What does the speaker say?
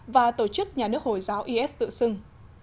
và tổ chức nhà nước hồi giáo is tự xưng